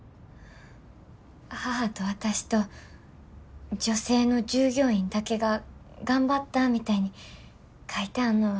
母と私と女性の従業員だけが頑張ったみたいに書いてあんのは。